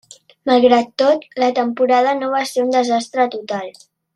Malgrat tot, la temporada no va ser un desastre total.